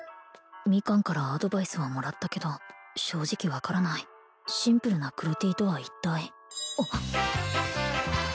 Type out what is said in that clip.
ミカンからアドバイスはもらったけど正直分からないシンプルな黒Ｔとは一体あっ！